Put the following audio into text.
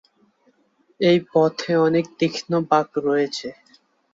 এই পথে অনেক তীক্ষ্ণ বাঁক রয়েছে।